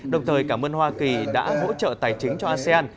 đồng thời cảm ơn hoa kỳ đã hỗ trợ tài chính cho asean